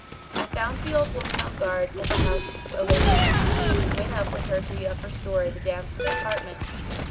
I found the old woman on guard at the door awaiting me, and went up with her to the upper story, the damsel's apartment.